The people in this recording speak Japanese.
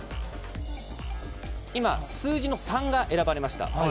今、数字の３が選ばれました。